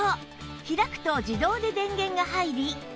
開くと自動で電源が入り